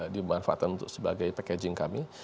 dimanfaatkan untuk sebagai packaging kami